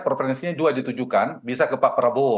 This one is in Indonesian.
preferensinya juga ditujukan bisa ke pak prabowo